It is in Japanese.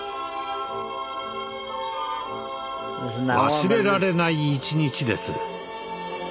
忘れられない一日です。